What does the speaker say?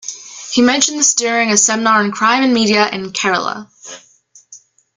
He mentioned this during a seminar on "Crime and Media" in Kerala.